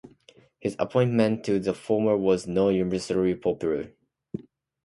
His appointment to the former was not universally popular.